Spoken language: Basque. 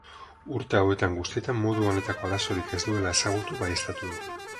Urte hauetan guztietan modu honetako arazorik ez duela ezagutu baieztatu du.